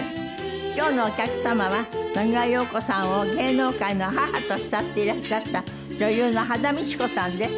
今日のお客様は野際陽子さんを芸能界の母と慕っていらっしゃった女優の羽田美智子さんです。